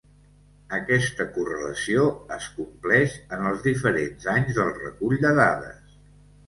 Aquesta correlació es compleix en els diferents anys del recull de dades.